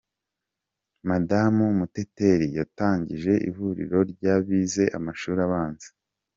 Madamu muteteri yatangije ihuriro ry’abize amshuri abanza